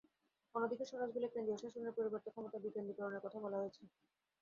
অন্যদিকে স্বরাজ বিলে কেন্দ্রীয় শাসনের পরিবর্তে ক্ষমতার বিকেন্দ্রীকরণের কথা বলা হয়েছে।